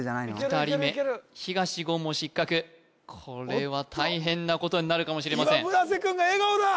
２人目東言も失格これは大変なことになるかもしれません今村瀬君が笑顔だ！